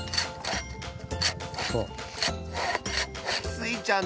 スイちゃん